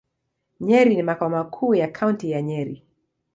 Nyeri ni makao makuu ya Kaunti ya Nyeri.